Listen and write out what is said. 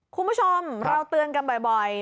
คุณผู้ชมเราเตือนกันบ่อย